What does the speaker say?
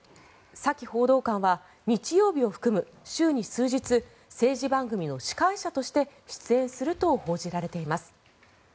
サキ報道官は日曜日を含む週に数日政治番組の司会者として出演すると報じられています。